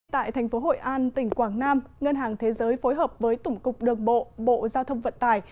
tại thành phố hội an tỉnh quảng nam ngân hàng thế giới phối hợp với tổng cục đường bộ bộ giao thông vận tải